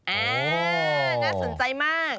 น่าสนใจมาก